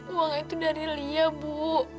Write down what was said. uang itu dari lia bu